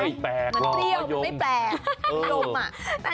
ไม่แปลกมะยมมันเปรี้ยวมันไม่แปลกมะยมอ่ะมันเปรี้ยวมันไม่แปลก